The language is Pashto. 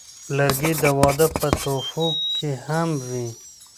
لرګی د واده په تحفو کې هم وي.